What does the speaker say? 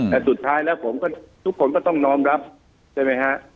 แต่สุดท้ายแล้วผมก็ทุกคนก็ต้องน้อมรับใช่ไหมฮะ